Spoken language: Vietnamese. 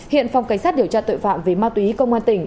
hiện phòng cảnh sát điều tra tội phạm về ma túy công an tỉnh